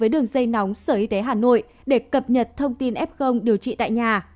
đường dây nóng sở y tế hà nội để cập nhật thông tin f điều trị tại nhà